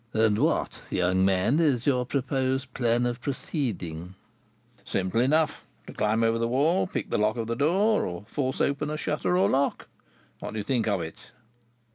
"And what, young man, is your proposed plan of proceeding?" "Simple enough: to climb over the wall, pick the lock of the door, or force open a shutter or lock. What do you think of it?"